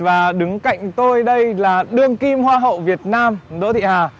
và đứng cạnh tôi đây là đương kim hoa hậu việt nam đỗ thị hà